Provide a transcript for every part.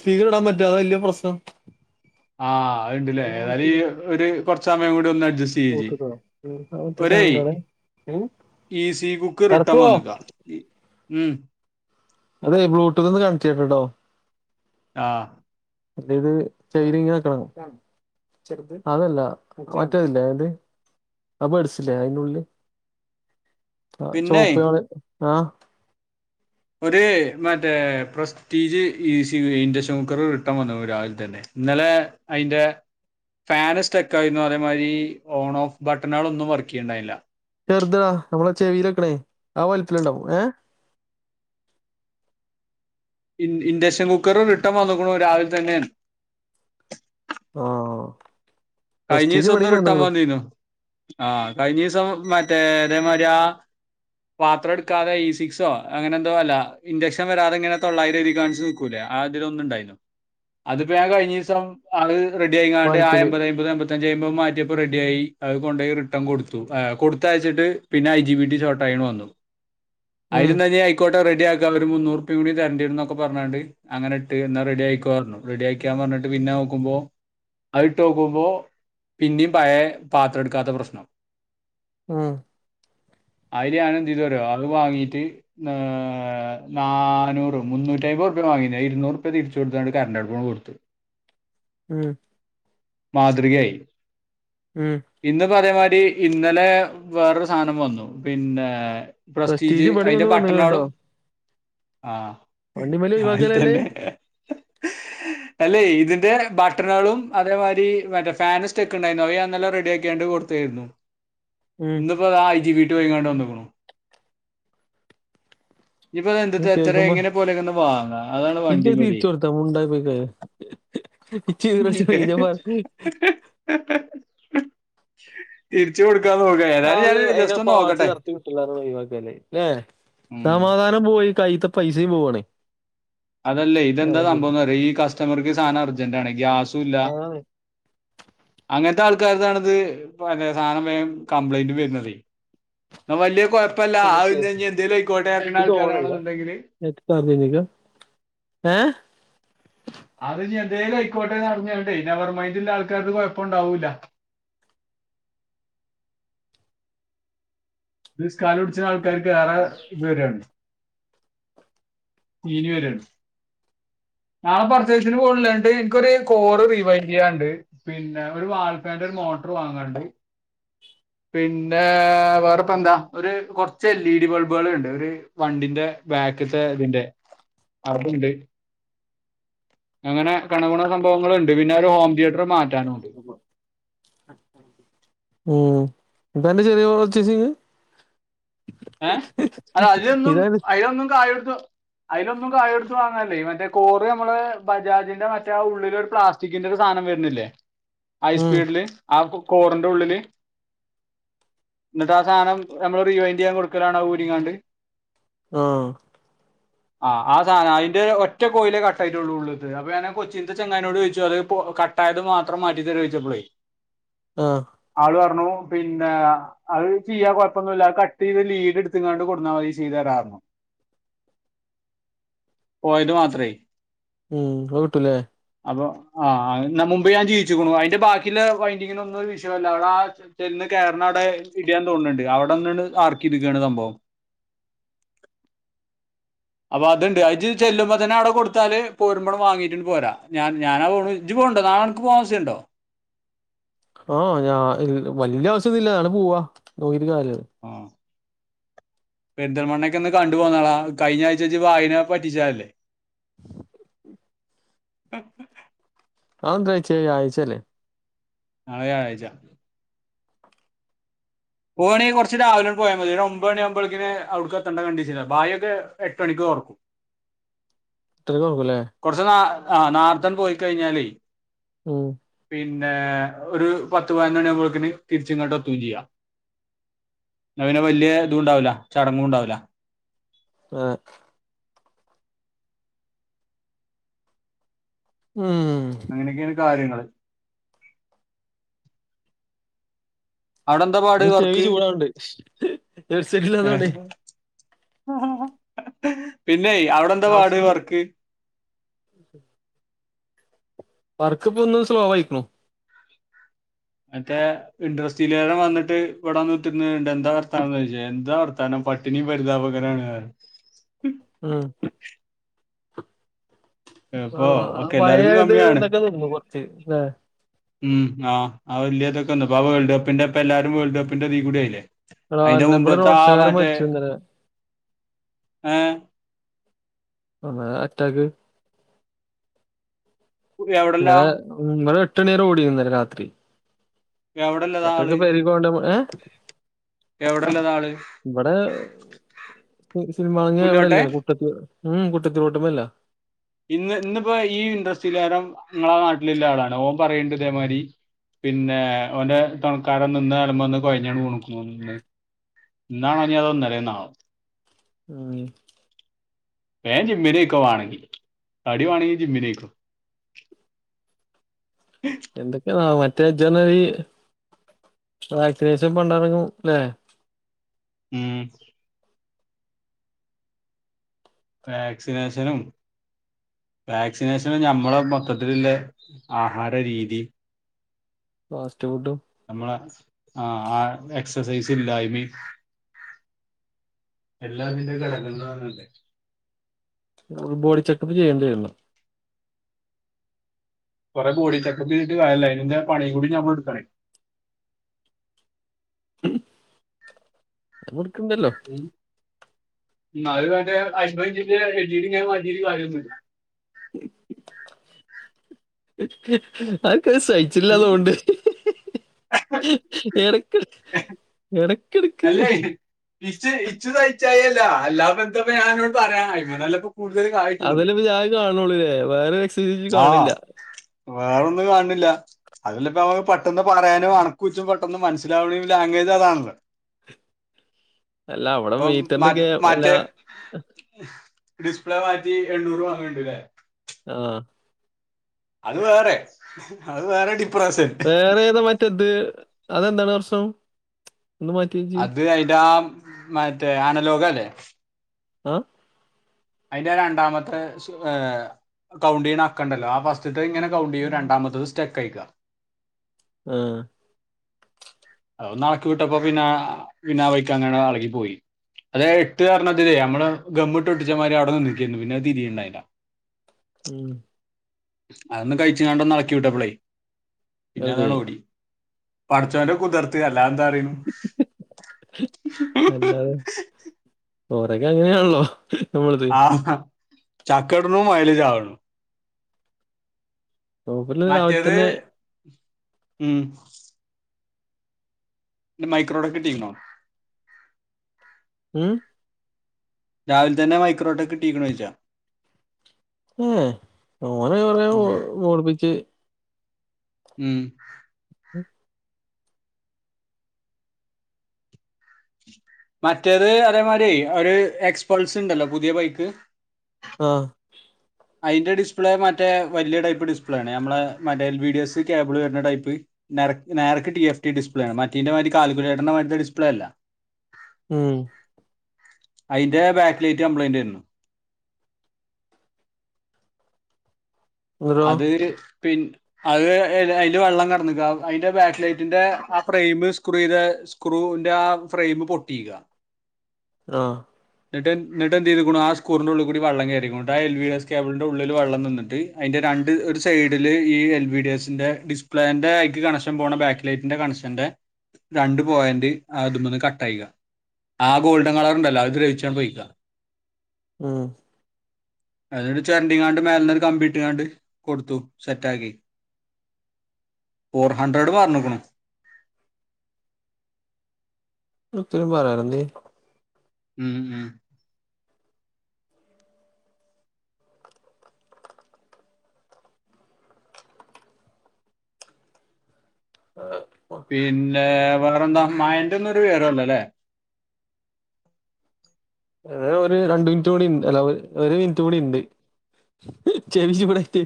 സ്കീർ ഇടൻ പറ്റ അത വലിയ പ്രശ്നം. ആഹ് അത്ണ്ടല്ലേ ഏതാലും ഈ ഒരു കൊറച്ച സമയം കൂടി ഒന്ന് അഡ്ജസ്റ്റ് ഈ ജി ഒരേ ഈ സി ബുക്ക് റിട്ടൻ തറപ്പോ വന്നക്ക- ഉം. അതെ ബ്ലൂടൂത്തൊന്ന് കണക്റ്റ്ച്ചെട്ട്ട്ടോ ആഹ്. അല്ലത് ചൈരിങ്ങാക്കണം. അതല്ല മറ്റതില്ലേ ഏത് അഹ് പേടിച്ചില്ലേ അയിള്ളില് ആ പിന്നെ ചുവപ്പകാള് ആഹ് ഒരു മറ്റേ പ്രസ്റ്റീജ് ഈ ഇൻഡക്ഷൻ കുക്കർ റിട്ടൻ വന്നു രാവിലെ തന്നെ ഇന്നലെ അയിന്റെ ഫാന് സ്റ്റെക്ക ആയിരുന്നു അതേമാതിരി ഓൺ ഓഫ് ബട്ടണുകള ഒന്നും വർക്ക് ചെയ്യണ്ടായില്ല ചെറുതടാ നമ്മളെ ചെവിയിലെക്കണേ ആഹ് വലുപ്പിലുണ്ടാവും ഏഹ് ഇ ഇഡക്ഷൻ കുക്കറും ഇട്ടൻ വന്നുക്കണു രാവിലെ തന്നെ ആഹ് കഴിഞ്ഞ ദിവസം ഒന്ന് റിട്ടെൻ വന്നീന്നു ആഹ് കഴിഞ്ഞ ദിവസം മറ്റേ അതേമാരി ആഹ് പാത്രം എടുക്കാതെ ഇ സിക്സോ അങ്ങനെ എന്തോ അല്ല ഇൻക്ഷൻ വരാതെങ്ങനെ തൊള്ളായിര രതി കാണി കൂലെആതി ഒന്നുണ്ടായിരുന്നു അതിപ്പോ ഞാൻ കഴിഞ്ഞ ദിവസം അത് റഡി ആയിണ്ട് ആഹ് വലിപ്പില് അമ്പത അമ്പത് അമ്പത്തഞ്ചുമ്പോ മാറ്റിയപ്പോ റെഡി ആയി അത് കൊണ്ട റിട്ടൺ കൊടുത്തു കൊടുത്ത അയച്ചിട്ട് പിന്നെ ഐ ജിബി ഷോർട്ട്യ വന്നു ഉം അതിലുംതന്ന ഇക്കോട്ടെ റെഡിയാക്കൻ ഒരു മുന്നൂറപ്പൂണ്ട തരണ്ടിര എന്നൊക്കെ പറഞ്ഞണ്ട് അങ്ങനെ ഇട്ട് എന്നാ റെഡി ആയിക്ക പറഞ്ഞുറെഡി ആക്കിയാ പറഞ്ഞിട്ട് പിന്നെ നോക്കുമ്പോ അത് ഇട്ട് ക്കുമ്പോ പിന്ന പഴ പാത്രം എടുക്കാത്ത പ്രശ്നം ഉം അയില് ഞാന് എന്തെയ്തെന്നറിയി അത് വാങ്ങീട്ട് ഏ് നാനൂറ് മുന്നൂറ്റി അമ്പത് റുപ്യ വാങ്ങിയ ഇരുന്നൂറുപ്യ തിരിച്ച കൊടുത്തണ്ട് കറണ്ട് അടുപ്പണ് കൊടുത്ത് ഉം മാതൃകയായി ഉം ഇന്ന് ഇപ അതേമാതിരി ഇന്നലെ വേറൊരു സാധനം വന്നു പിന്നെ പ്രസ്റ്റീജ് പണി അതിന്റെ ഒന്ന് വന്നു കേട്ടോ ബട്ടണോളും ആഹ് വണ്ടിമേലെ ആയിൽ ഒഴിവാക്കലല്ലേ തന്നെ അല്ലെ ഇതിന്റെ ബട്ടണുകളും അതേമാതിരി ഇതി മറ്റേ ഫാന് സ്റ്റെക്കുണ്ടായിരുന്നു മറ്റേ റഡിയാക്കിണ്ട് കൊടുത്തേരുന്നു ഇന്നീ. ഉം ഇത ഐജി വീട്ട് പോങ്ങാണ്ട് വന്നക്കണു ഇത്ഇപ്പൊ എന്ത്ട്ട എത്ര കേക്കുമ്പോ എങ്ങനെ പോലെങ്ങന്ന് വാങ്ങ അതാണ് ഇജ്ജ വണ്ടി തിരിച്ചു പോലായി കൊടുത്താ മുണ്ടായി പോയി കഴിയോ ചീറിച്ചെറിഞ്ഞപ്പോ [unintelligible] തിരിച്ച കൊടുക്കാൻ നോക്കാ ഏതാലും ഞൻ ജസ്റ്റ് ഒന്ന് നോക്കട്ടെ കട്ട വിട്ടില്ലാര ഒഴുവാക്കില്ലെ ല്ലെ ഉം സമാധാനം പോയി കൈത്ത പൈസയും പോവണേ അതല്ലേ ഇതെന്താ സംഭവംന്ന് പറയാ ഈ കസ്റ്റമർക്ക് സാധനം അർജന്റ് ആണ് ഗ്യാസും ഇല്ല ആണ് അങ്ങനത്തെ ആൾക്കാതാണ ഇത് സാധന വേഗം കംപ്ലൈന്റ് വരുന്നുന്നത് വലിയ കുഴപ്പല്ല ഒന്ന് ആവി കേക്ക് എന്തേലും ആയിക്കോട്ടെ ഇറങ്ങുന്ന ആൾക്കാരാണെന്നുണ്ടെങ്കില് [unintelligible] ഏഹ് അത് ഞ് എന്തേലൽ ആയിക്കോട്ടെ നടന്ന കേട്ടേ ഇനി നെർമൈന്റള്ള ആൾക്കാർക്ക് കുഴപ്പം ഉണ്ടാവൂല്ല ഇത് കാല് പിടിച്ച ആൾക്കാർക്ക് വേറ ഇനി വരാണ് ഇനി വരാണ് നാളെ പർച്ചേസിന് പോകണില്ലണ്ട് എനിക്കൊരു കോറ് റീവൈൻ് ചെയ്യാനുണ്ട് പിന്നെ ഒരു വാൽപ്പേന്റെ ഒരു മോട്ടർ വാങ്ങാണ്ട് പിന്നെ വേറെപ്പ എന്താ ഒരു കുറച്ച് എൽ ഇ ഡി ബൾബുകൾ ഉണ്ട് ഒരു വണ്ടിന്റെ ബാക്കത്തെ ഇതിന്റെ അത്ണ്ട് അങ്ങനെ കണകുണ സംഭവങ്ങളൾണ്ട് പിന്നെ ഒരു ഹോം തിയേറ്റർ മാറ്റം ഉം ഇന്തണ്ട ചെറിയ പർച്ചയ്സിങ്ങ് ഏഹ് അല്ല അതിലൊന്നും ഇതാണ് അതിലൊന്നും കായെടുത്ത് അതിലൊന്നും കായ എടുത്ത് വാങ്ങല്ലേ മറ്റേ കോറ് നമ്മള് ബജാജിന്റെ മറ്റേ ഉള്ളിൽ ഒരു പ്ലാസ് റ്റിക്കിന്റെ ഒരു സാധനം വരുന്നില്ലേ ഉം. ഹൈസ്പീഡില് ആഹ് കോറിന്റെ ഉള്ളില് എന്നിട്ട ആഹ് സാധനം നമ്മൾ റിവൈൻറ് ചെയ്യാൻ കൊടുക്ക ലാണ ഊരിങ്ങാണ്ട് ആഹ് [inaudible] ആഹ് ആഹ് സാധനം അതിന്റെ ഒറ്റ കോയിലേ കട്ടായിട്ടുള്ള ഉള്ളത് അപ്പ ഞാന് കൊച്ചിത്ത ചങ്ങാനോട് ചോദിച്ചു അത് കട്ടായത് മാത്രം മാറ്റി തരുവ ചോദിച്ചപ്പളി ആഹ് ആള് പറഞ്ഞു പിന്നെ അത് ചെയ്യാ കൊഴപ്പൊന്നുമില്ല കട്ട് ചെയ്ത വീട് എടുത്തകാണ്ട് കൊടുന്നാ മതി ചെയ്താരാരുന്നു പോയത് മാത്രേ ഉം കിട്ടൂല്ലേ അപ്പൊ ആഹ് ന മുമ്പ് ഞാൻ ചെയ്യിച്ചിക്കുണു അതിന്റെ ബാക്കില്ല വൈൻഡിങ്ങിന് ഒന്നും ഒരു വിഷയല്ല അവിടെ ആഹ് ചെന്ന് കയറണടെ അവിടെ ഇടയാൻ തോന്നുന്നുണ്ട് അവിടെന്നാണ് ആർക്ക ഇരിക്കുകയാണ് സംഭവം അപ്പൊ അത്ണ്ട് അയ്ജു ചെല്ലുമ്പോ തന്നെ അവിടെ കൊടുത്താല് പോരുമ്പോം വാങ്ങീട്ടണ്ട് പോരാ ഞാൻ ഞാനാ പോണത് ജ്ജ് പോണുണ്ടോ നാളെ നക്ക് പോകാൻ വസ്യുണ്ടോ ആഹ് ഞാന് വലിയ ആവശ്യൊന്നില്ല ഞാണ് പോവാ നോക്കിട്ട കാല ആഹ് പെരിന്തൽമണ്ണൊക്കെ ഒന്ന് കണ്ടു പോന്നാള കഴിഞ്ഞ ആഴ്ച ജ്ജ് വാഹിനെ പറ്റിച്ചയല്ലേ [unintelligible] അതേന്ത്രയച്ചേ ഞായ്റാച്ചല്ലേ അത് ഞായാറച്ചയാ പോകണമെങ്കിൽ കുറച്ച് രാവിലെ പോയാ മതി ഒരു ഒമ്പതുണികുമ്പോഴേക്കിന് അവിടുക്ക് എത്തേണ്ട കണ്ടീഷനി ഭായൊക്കെ എട്ട് മണിക്ക് തുറക്കും എട്രരക്ക് തൊറക്കുല്ലേ കുറച്ചു നാ ആഹ് നാർത്തെ പോയി കഴിഞ്ഞാലേ ഉം പിന്നെ ഒരു പത്ത് പതിനൊണിയാവുമ്പോഴേത്തിന് തിരിച്ച ഇങ്ങോട്ട് എത്തുവേം ചെയ്യാം എന്ന പിന്നെ വലിയ ഇതുണ്ടാവില്ല ചടങ്ങും ഉണ്ടാവില്ല ആഹ് ഉം അങ്ങനെയൊക്കെയാണ് കാര്യങ്ങള്ൾ അവിടെന്താ പാട് ഇനി ചെവി വർക്ക്ങേ ചൂടാവുണ്ട് ഹെഡ്സെറ്റ് ഇല്ലാത്തോണ്ടേ [unintelligible] അഹ് പിന്നെ അവിടെ എന്താ പാട് വർക്ക് വർക്ക് ഇപ്പൊ ഒന്നു സ്ലോ ആയിക്കുണു മറ്റേ ഇൻറ്രസ്റ്റീലേം വന്നിട്ട് ഇവിടാന്ന് നിന്നണ്ട് എന്താ വർത്തന്ന് ചോദിച്ചാ എന്താ വർം ത്താനം പട്ടിണീം പരിതപകരാണ് ഉം ഇപ്പോ ആഹ് ഒക്കെ എല്ലാവർക്കും പഴേത് കമ്മിയാണ് എന്തൊക്കെ തോന്നു കൊറച്ച് ഉം ആഹ് ആഹ് വലിയതൊക്കെന്ന അപ്പ ആഹ് വേൾഡ് കപ്പിന്റെപ്പൊ എല്ലാരും വേൾഡ് കപ്പിന്റെ ഇതീ കൂടി ആയില്ലേ എടാ അയിന്റെ ഇന്ന് ഇവിടെ മുമ്പത്തെ ആഹ് റോഡ്സക്കാരൻ മറ്റേ മരിച്ചു ഇന്നലെ ഏഹ് കൊറേ അറ്റാക്ക് എവിടെല്ല ഇന്നലെ നിങ്ങള് എട്ടണിയരെം ഓടിന്നലെ രാത്രി എവിടെല്ലതാ എട്രക്ക് ആള് പരിപോകണ്ടെ മോനെ ഏഹ് എവിടെല്ലതാ ആള് ഇവിടെ സിനിമാ പുല്ലുവട്ടെ ഇവിടെല്ല കുട്ടത്തി ഉം കുട്ടത്തിട്ട്പല്ല ഇന്ന് ഇന്നിപ്പോ ഈ ഇൻട്രസ്റ്റ ലെകാരം ങ്ങളെ നാട്ടിലുള്ള ആളാണ് ഓൻ പറയണ്ട് ഇതേമാതിരി പിന്നെ ഓന്റെ തണക്കാരൻ നിന്നരുബം ഒന്നു കോഴഞ്ഞ കുണക്ക നിന്ന് ഇന്നണോ ഇനി അതൊ ഇല്ലാലെന്നാണോ ഉം വേഗം ജിമ്മിലേക്ക് കോ വോണോങ്കി തടി വേണോങ്കി ജിമ്മിലേക്ക് ക്കോ എന്തൊക്കെയെന്ന മറ്റേ ജജന്ന നീ വാക്സിനേഷൻ പണ്ടറങ്ങുംല്ലേ ഉം വാക്സിനേഷനും വാക്സിനേഷനും ഞമ്മളെ മൊത്തത്തിലില്ലെ ആഹാര രീതിയും ഫാസ്റ്റ് ഫുഡും നമ്മളെ ആഹാ എക്സസൈസ് ഇല്ലായ്മയും എല്ലാത്തിന്റെയും ഘടഗങ്ങളാന്ന് [unintelligible] ബോഡി ചെക്കപ്പ് ചെയ്യേണ്ടി വരണം കൊറെ ബോഡി ചെക്കപ്പ് ചെയ്തിട്ട് കാര്യല്ല അയിന്റെ പണീം കൂടി ഞമ്മളെടുക്കണേ മ് അവർക്കുണ്ടല്ലോ ഇന്നാലും അന്റെ ഹസ്ബയ് ഇട്ടീട്ട് കിട്ടീട്ട് ഇങ്ങനെ മാറ്റീറ്റ് കാര്യം ഒന്നുല്ല ആക്കത് സയ്ച്ചില്ലാതോണ്ട് എടക്കെട് എടക്കെട് അല്ല ഇത് ഇച്ച് ഇച്ചു സയ്ച്ചായ്കയല്ല അല്ലാപ്പ എന്തുപ്പ ഞാന്നോട് പറയാ അയുമ്മേ നല്ലത് കൂടുതല് കായ അതല്ലേ ഇപ്പ ഞാനിത് കാണുന്ന്ള്ളതേ വേറെ [unintelligible] വെച്ച് കാണില്ല വേറൊന്ന് കാണ്ണില്ല അതല്ലേ ഇപ്പ അവ പെട്ടെന്ന് പറയാനും അണക്കൂച്ചും പെട്ടന്ന് മനസ്സിലാവണയും ലാംഗ്വേജ് അതാണല്ലോ അല്ല അവിടെ അപ്പം മീറ്ററിന്റെ ഒക്കെ മാറ്റം അല്ല മാറ്റേ ഡിസ്പ്ലേ മാറ്റി എണ്ണൂറ് വാങ്ങിണ്ടല്ലേ ആഹ് അത് വേറെ അത് വേറെ ഡി വേറേതാ മറ്റേത് അതെന്താണ് പ്രശ്നം ഒന്ന് മാ അത് അയ്ന്റാ മറ്റേ അനലോഗല്ലേ ആഹ് അയിന്റെ രണ്ടാമത്തെ ശു ഏഹ് കൗണ്ട് ചെയ്യണാക്കണ്ടല്ലാ ആ ഫസ്റ്റത്തെങ്ങനെ കൗണ്ട് ചെയ്യും രണ്ടാമത്തത് സ്റ്റക്കായിക്ക ആഹ് അതൊന്ന് എളക്കി വിട്ടപ്പോ പിന്നെ പിന്നാ വയ്ക്കങ്ങടെ എളകി പോയി അതെ എട്ട് [unintelligible] അമ്മള് ഗമ്മിട്ട് ഒട്ടിച്ചമാരി അവിടന്ന് നി [unintelligible] പിന്നത് തിരിയുണ്ടായില്ല ഉം അതൊന്ന് കഴിച്ച്കാണ്ടൊന്ന് എളക്കി വിട്ടപ്പളേ പിന്നെ അതെ അതാണ് ഓടി പഠച്ചോന്റെ കുതർത്ത് അല്ലാതെന്തറിയണു ഓരക്കെ അങ്ങനെയാണല്ലോ നമ്മളത് ആഹ ചക്ക ഇടണു മൊയല് ചാവണു നോക്കില്ല രാവിലെ മറ്റേത് തന്നെ ഉം മൈക്രോഡൊ കിട്ടിയിരുന്നോ ഉം രാവിലെ തന്നെ മൈക്രോടെക്കിട്ടീക്കണോയ്ച്ചാ ഏഹ് ഓനെ കൊറെ ഉം ഓടിപ്പിച്ച് ഉം ഉം മറ്റേത് അതേമാരി ഒരു എക്സ്പൾസ് ഉണ്ടല്ലോ പുതിയ ബൈക്ക് ആഹ് അയിന്റെ ഡിസ്പ്ലേ മറ്റേ വല്യടൈപ്പ് ഡിസ്പ്ലേ ആണ് അമ്മള് മറ്റേ L V D S cable വരുന്ന ടൈപ്പ് നരക്ക് നേരക്ക് ടി എഫ് ടി ഡിസ്പ്ലേ ആണ് മറ്റേന്റെ മാരി കാൽക്കുലേറ്ററിന്റെമാരത്തെ ഡിസ്പ്ലേ അല്ല ഉം അയ്ന്റെ ബാക്ക്ലേറ്റ് കംപ്ലയിന്റേരുന്നു എന്നിട്ടോ അത് പിൻ അത് എയില് അയില് വെള്ളം കെടന്ന്ക്കാ അയ്ന്റെ ബേക്ക് ലൈറ്റിന്റെ ആ ഫ്രെയിം സ്ക്രുയ്തേ സ്ക്രൂൻ്റ ആ ഫ്രെയിമ് പൊട്ടീകാ ആഹ് ന്നിട്ട് ന്നിട്ട് എന്തെയ്തേക്കണു ആ സ്കൂറിന്റെ ഉള്ളി കൂടി വള്ളം കയറിക്കണുട്ടോ ആ എൽ വി എസ് കേബിളിന്റെ ഉള്ളില് വെള്ളം നിന്നിട്ട് അയിന്റെ രണ്ട് ഒരു സൈഡില് ഈ എൽ വി ഡി എസിന്റെ ഡിസ്പ്ലേന്റെ അയ്‌ക്ക് കണക്ഷൻ പോണ ബാക്ക് ലൈറ്റിന്റെ കണക്ഷൻ എന്റെ രണ്ട് പോയിന്റ് അതുമേന്ന് കട്ടായിക്ക ആ ഗോൾഡൻ കളർണ്ടല്ലോ അത് ദ്രവിച്ച് ട്ടം പൊയ്ക്ക ഉം അതൊരു ചെറണ്ടീങ്ങാണ്ട് മേലന്നൊരു കമ്പീട്ട്ങ്ങാണ്ട് കൊടുത്തു സെറ്റ് ആക്കി ഫോർ ഹൺഡ്രഡ് പറഞ്ക്ണു. ഇതിനുത്തരം പറയരുന്നേ ഉം ഉം ആഹ് പിന്നെ വേറെ എന്താ മാഴന്റെന്നൊരു വിവരുംല്ലലേ ഏ ഹ് ഒരു രണ്ട് മിനിറ്റ് കൂടി ഉണ്ട് അല്ല ഒരു മിനിറ്റ് കൂടി ഉണ്ട് ചേച്ചി ഇവടെത്തി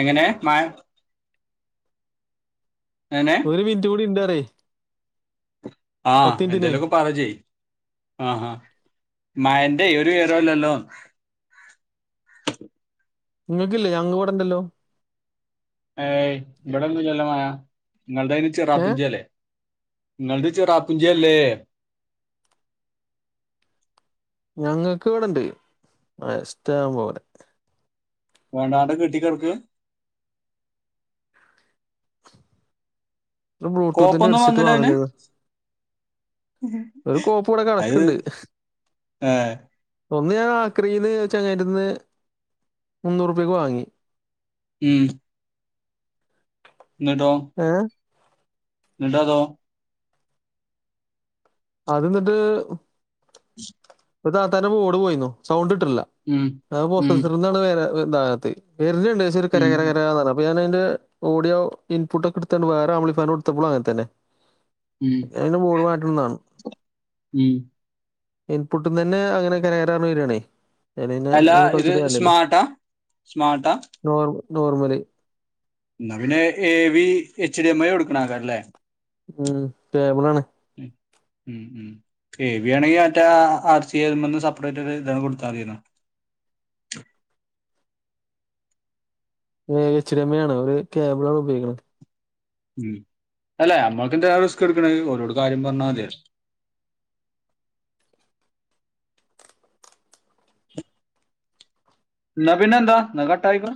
എങ്ങനെ മഴണ്ടോ എങ്ങനെ രണ്ട് മിനിറ്റും കൂടെ ഇണ്ട്പറ ആഹ് എന്തേലുക്കെ പറ ഇജ് ആഹ് ആഹ് മഴൻ്റേ ഒരു വിവരുംഇല്ലല്ലൊ നിങ്ങൾക്കില്ലേ ഞങ്ങൾ ക് ഇവിടെണ്ടല്ലോ ഏയ് ഇവിടൊന്നും ഇല്ലല്ലൊ മഴ നിങ്ങൾ തൈന് ഏ ചിറാപൂഞ്ചി അല്ലേ നിങ്ങൾ ത് ചിറാപ്പൂഞ്ചി അല്ലേ ഞങ്ങൾക്ക് ഇവിടെണ്ട് മഴ ഇഷ്ട്ടം പോലെ വേണ്ടാണ്ടെ കെട്ടിക്കടക്കാ ഇപ്പം ബ്ലൂട്ടൂത്തിന്റെ കോപ്പൊന്നും ഹെഡ്സെറ്റ് വന്നില്ല അതിന് വാങ്ങിയതാ ഒരു കോപ്പ് ഇവിടെ അത് കിടക്ക്ണ്ട് ഏ ഒന്ന് ഞാൻ ആക്രയിൽചങ്ങായി ന്റട്ത്ന്ന് മുന്നൂറുപ്യക്ക് വാങ്ങി ഉം ഇന്നിട്ടോ ഏ ഹ് ന്ന് ട്ടതോ അത് ഇന്ന്ട്ട് താത്തൻ്റെ പോട് പോയിന്നു സൗണ്ട് കിട്ട്ണില്ല ഉം ഉം പ്രൊസ്സറിൽ നിന്നാണ് ഇതാകാത്തെ വെർന്ന് ണ്ട് ഷെ ഒരു കര ഉം കര കരന്ന് ഞൻ അതിന്റെ ഓഡിയോ ഇൻപുട്ട് ഒക്കെ എടുത്തണ്ട് വേറെ ആ മ്പ്ളി ഫയർ കൊടുത്തപ്പോളും അങ്ങനെ തന്നെ ഉം അതിന്റെ ബോഡ്മാറ്റണംന്നാ ണ് ഉം പു ട്ട്ന്ന് തന്നെ അങ്ങനെ കര കര ർഞ് വരാണ് അലേപിന്നെ അല്ല അയ്മേ ഇത് കളിച്ചിട്ട് കാരി ല്ലല്ലോ സ്മാർട്ടാ സ്മാർട്ടാ നോർമല്നോർമല് എന്നാ പിന്നെ ഏ വി എച്ച് ടമ്മായി കൊടുക്കണ കാരം ലേ ഉം ട്ടേബ്ലാണ് ഉം ഉം ഉം എേവി ആണെങ്കിൽ മറ്റേ ആർച്ചകലേ മെന്ന് സെപ്പറേറ്റ് ഇതാണ് കൊടുത്താൽ മതീലൊ എച്ച് ഡ എം എ ആണ് ഒരു കേബിളാ ആണ് ഉപയോഗിക്കുന്നത് ഉം അല്ല നമ്മക്ക് എന്തിനാ റിസ്ക് എടുക്കണേ ഒരോട് കാര്യം പറഞ്ഞാൽ മതിയല്ലോ ന്നാപിന്നെന്താ എന്നാ കട്ടാക്കിക്കൊ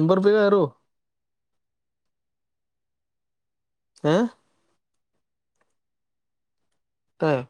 എമ്പോർപിയ കേറോ ഏ ആഹ്